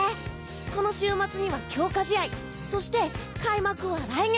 この週末には強化試合そして、開幕は来月！